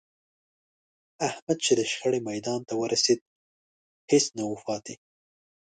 احمد چې د شخړې میدان ته ورسېد، هېڅ نه و پاتې